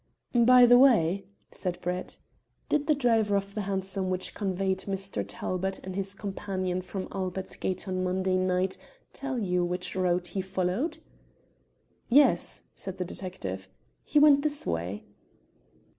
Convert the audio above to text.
"By the way," said Brett, "did the driver of the hansom which conveyed Mr. Talbot and his companion from Albert Gate on Monday night tell you which road he followed?" "Yes," said the detective, "he went this way."